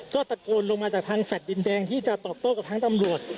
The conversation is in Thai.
ก็ตะโกนลงมาจากทางแฟลต์ดินแดงที่จะตอบโต้กับทั้งตำรวจ